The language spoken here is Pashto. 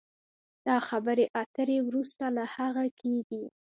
دا خبرې اترې وروسته له هغه کېږي